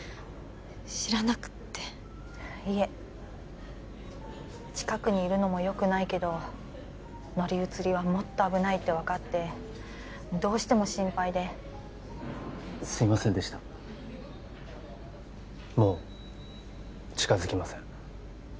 知らなくっていえ近くにいるのもよくないけど乗り移りはもっと危ないって分かってどうしても心配ですいませんでしたもう近づきません